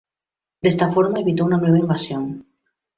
De esta forma, evitó una nueva invasión.